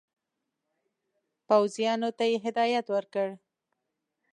پوځیانو ته یې هدایت ورکړ.